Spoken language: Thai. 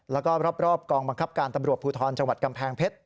แล้วก็รอบกองบังคับการตำรวจภูทรจังหวัดกำแพงเพชร